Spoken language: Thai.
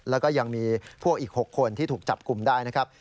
แล้วก็ยังมีพวกอีก๖คนที่ถูกจับกลุ่มได้นะครับ